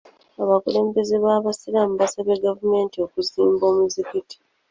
Abakulembeze b'abasiraamu baasabye gavumenti okuzimba omuzikiti.